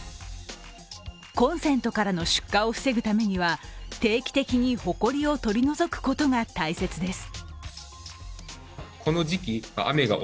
コンセントからの出火を防ぐためには、定期的にほこりを取り除くことが大切です。